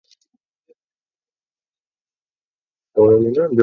They played their debut season in the same year.